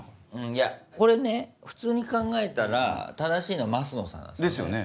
いやこれね普通に考えたら正しいのは升野さん。ですよね？